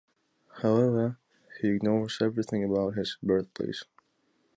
However, he ignores everything about his birthplace.